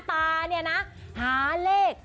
ตาเนี่ยนะหาเลข